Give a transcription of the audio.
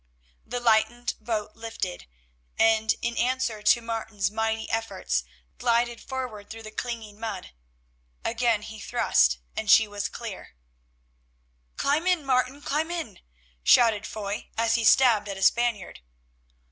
The lightened boat lifted, and in answer to Martin's mighty efforts glided forward through the clinging mud. Again he thrust, and she was clear. "Climb in, Martin, climb in," shouted Foy as he stabbed at a Spaniard.